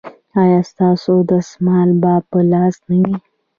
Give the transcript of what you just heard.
ایا ستاسو دستمال به په لاس نه وي؟